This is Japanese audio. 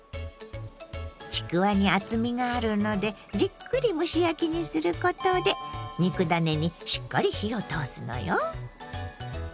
ちくわに厚みがあるのでじっくり蒸し焼きにすることで肉ダネにしっかり火を通すのよ。